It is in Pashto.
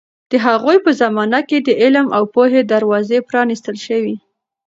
د هغوی په زمانه کې د علم او پوهې دروازې پرانیستل شوې.